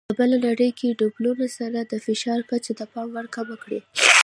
په بله نړۍ کې ډوبولو سره د فشار کچه د پام وړ کمه کړي.